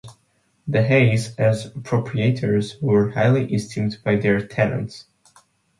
The Hays, as proprietors, were highly esteemed by their tenants.